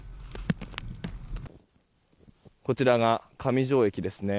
こちらが上条駅ですね。